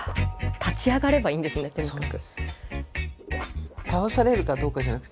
立ち上がればいいんですねとにかく。